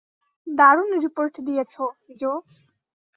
দারুন রিপোর্ট দিয়েছো, জো।